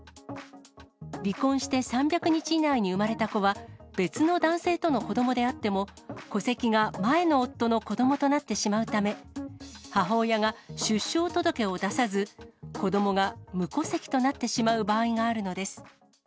離婚して３００日以内に産まれた子は、別の男性との子どもであっても、戸籍が前の夫の子どもとなってしまうため、母親が出生届を出さず、子どもが無戸籍となってしまう場合があるのです。